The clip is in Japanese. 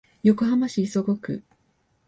横浜市磯子区